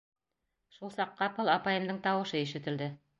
Шул саҡ ҡапыл апайымдың тауышы ишетелде: